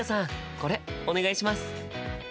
これお願いします！